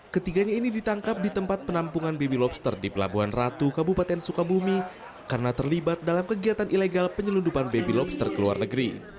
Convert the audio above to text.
ketiganya ini ditangkap di tempat penampungan baby lobster di pelabuhan ratu kabupaten sukabumi karena terlibat dalam kegiatan ilegal penyelundupan baby lobster ke luar negeri